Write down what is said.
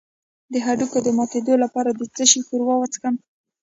د هډوکو د ماتیدو لپاره د څه شي ښوروا وڅښم؟